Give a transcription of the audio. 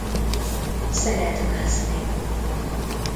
Szeret mászni.